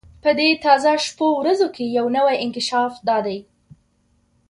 په دې تازه شپو ورځو کې یو نوی انکشاف دا دی.